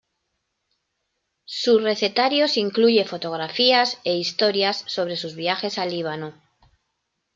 Su recetarios incluye fotografías e historias sobre sus viajes a Líbano.